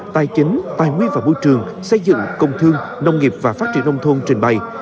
tài chính tài nguyên và môi trường xây dựng công thương nông nghiệp và phát triển nông thôn trình bày